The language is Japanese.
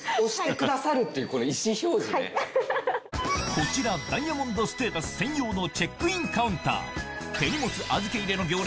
こちらダイヤモンドステータス専用のチェックインカウンター